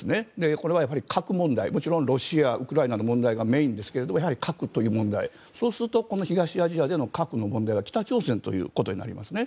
これは核問題、もちろんロシア、ウクライナの問題がメインですけれども核という問題そうするとこの東アジアでの核の問題は北朝鮮ということになりますね。